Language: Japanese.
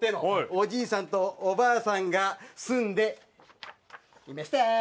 「おじいさんとおばあさんがすんでいましたー」。